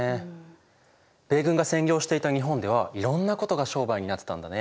米軍が占領していた日本ではいろんなことが商売になってたんだね。